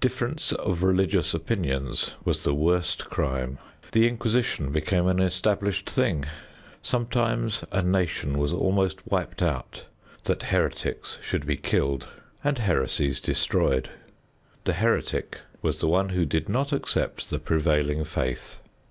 Difference of religious opinions was the worst crime. The inquisition became an established thing. Sometimes a nation was almost wiped out that heretics should be killed and heresies destroyed. The heretic was the one who did not accept the prevailing faith.